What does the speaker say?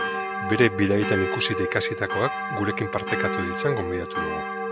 Bere bidaietan ikusi eta ikasitakoak gurekin partekatu ditzan gonbidatu dugu.